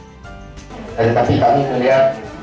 dari pagi kami melihat